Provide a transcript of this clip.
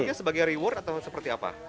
artinya sebagai reward atau seperti apa